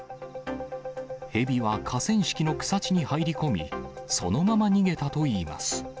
ヘビは河川敷の草地に入り込み、そのまま逃げたといいます。